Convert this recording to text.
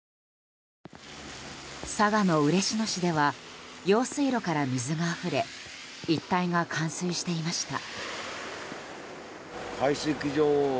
佐賀の嬉野市では用水路から水があふれ一帯が冠水していました。